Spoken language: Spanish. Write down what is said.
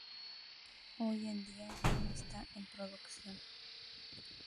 Hoy en día ya no está en producción.